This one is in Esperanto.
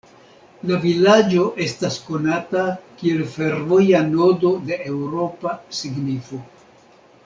La vilaĝo estas konata kiel fervoja nodo de eŭropa signifo.